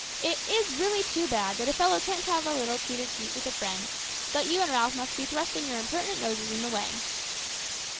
"It is really too bad that a fellow can't have a little tete a tete with a friend but you and Ralph must be thrusting your impertinent noses in the way."